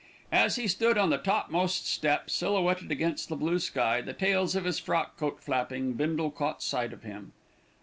As he stood on the topmost step, silhouetted against the blue sky, the tails of his frock coat flapping, Bindle caught sight of him.